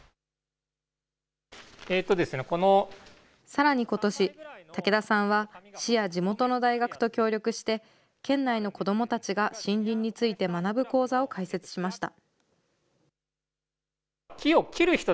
さらにことし、竹田さんは市や地元の大学と協力して、県内の子どもたちが森林について学ぶ講座を開設しました。